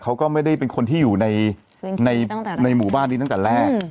เขาก็ไม่ได้เป็นคนที่อยู่ในหมู่บ้านนี้ตั้งแต่แรก